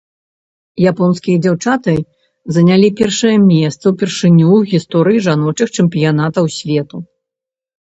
Японскія дзяўчаты занялі першае месца ўпершыню ў гісторыі жаночых чэмпіянатаў свету.